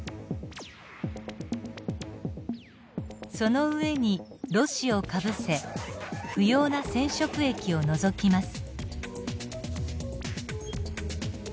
その上にろ紙をかぶせ不要な染色液を除きます。